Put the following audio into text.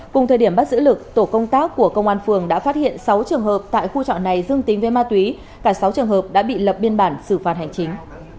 cùng thời điểm bắt giữ lực tổ công tác của công an phường đã phát hiện sáu trường hợp tại khu trọ này dương tính với ma túy cả sáu trường hợp đã bị lập biên bản xử phạt hành chính